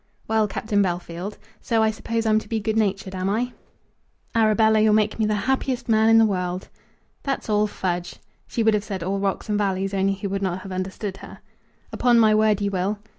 "Well, Captain Bellfield, so I suppose I'm to be good natured; am I?" "Arabella, you'll make me the happiest man in the world." "That's all fudge." She would have said, "all rocks and valleys," only he would not have understood her. "Upon my word, you will."